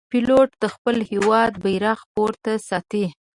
پیلوټ د خپل هېواد بیرغ پورته ساتي.